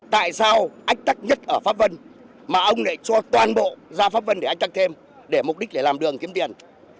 tại sao ách tắc nhất ở pháp vân mà ông lại cho toàn bộ ra pháp vân để ách tắc thêm để mục đích làm đường kiếm tiền